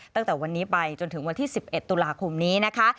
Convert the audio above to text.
ตั้งแต่วันนี้ไปจนถึงวันที่๑๑ตุลาคมนี้นะคะ